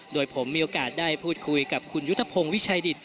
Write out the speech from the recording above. โดยผมมีโอกาสได้พูดคุยกับคุณยุทธพงศ์วิชัยดิต